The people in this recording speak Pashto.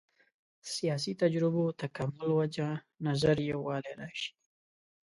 سیاسي تجربو تکامل وجه نظر یووالی راشي.